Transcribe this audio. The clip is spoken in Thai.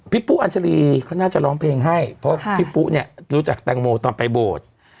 ปุ๊อัญชรีเขาน่าจะร้องเพลงให้เพราะพี่ปุ๊เนี่ยรู้จักแตงโมตอนไปโบสถ์